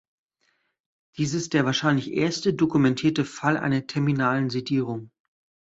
Dies ist der wahrscheinlich erste dokumentierte Fall einer terminalen Sedierung.